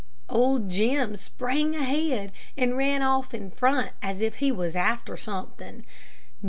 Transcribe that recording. Old Jim sprang ahead, and ran off in front as if he was after something.